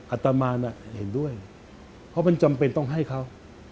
อัตมานเห็นด้วยเพราะมันจำเป็นต้องให้เขา